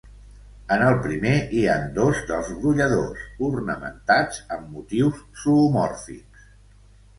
En el primer hi han dos dels brolladors, ornamentats amb motius zoomòrfics.